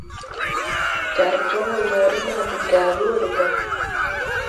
Jar jɔŋ wɔ jɔŋre maa de gaali wɔ deɓaŋ.